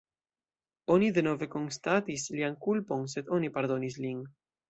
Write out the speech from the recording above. Oni denove konstatis lian kulpon, sed oni pardonis lin.